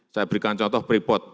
saya berikan contoh pripot